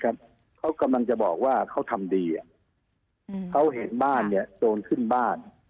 เขากำลังจะบอกว่าเขาทำดีเขาเห็นบ้านเนี่ยโจรขึ้นบ้าน